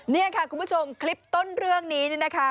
นี่ค่ะคุณผู้ชมคลิปต้นเรื่องนี้เนี่ยนะคะ